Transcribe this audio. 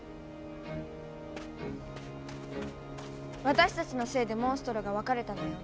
私たちのせいでモンストロが分かれたのよ。